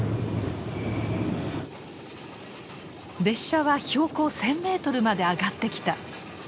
列車は標高１，０００メートルまで上がってきた。